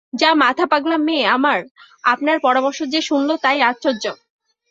যা মাথাপাগলা মেয়ে আমার, আপনার পরামর্শ যে শুনল তাই আশ্চর্য।